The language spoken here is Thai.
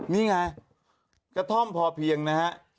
นี่ไงกระท่อมพอเพียงนะฮะ